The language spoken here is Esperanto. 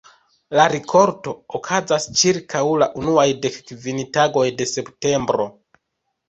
La rikolto okazas ĉirkaŭ la unuaj dek kvin tagoj de septembro.